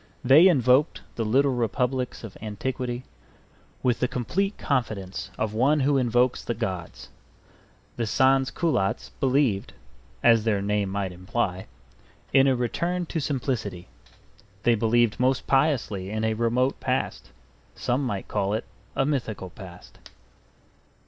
They invoked the little republics of antiquity with the complete confidence of one who invokes the gods. The Sans culottes believed (as their name might imply) in a return to simplicity. They believed most piously in a remote past; some might call it a mythical past.